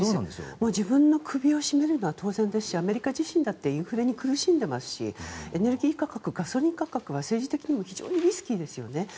自分の首を絞めるのは当然ですしアメリカ自身だってインフレに苦しんでいますしエネルギー価格ガソリン価格は政治的にも非常にリスキーですよね。